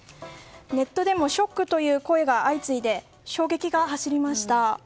ネットでもショックという声が相次いで衝撃が走りました。